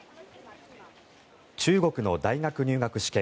中国の大学入学試験